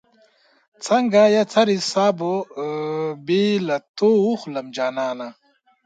څنګه ساه به بې له تا اخلم جانانه